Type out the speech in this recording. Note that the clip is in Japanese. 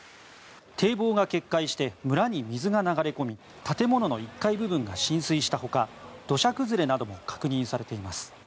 堤防が決壊して村に水が流れ込み建物の１階部分が浸水した他土砂災害なども確認されています。